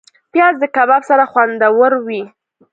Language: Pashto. پیاز د کباب سره خوندور وي